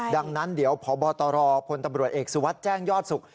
ดังนั้นเดี๋ยวพบตรพตเอกสุวัตรแจ้งยอดศุกร์